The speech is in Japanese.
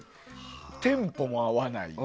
テンポも合わない。